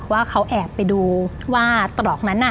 ว่าเขาแอบไปดูว่าตรอกนั้นน่ะ